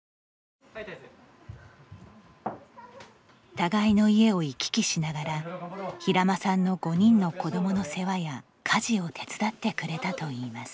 互いの家を行き来しながら平間さんの５人の子どもの世話や家事を手伝ってくれたといいます。